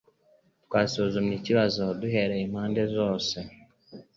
Twasuzumye ikibazo duhereye impande zose